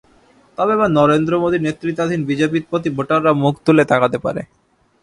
তবে এবার নরেন্দ্র মোদির নেতৃত্বাধীন বিজেপির প্রতি ভোটাররা মুখ তুলে তাকাতে পারে।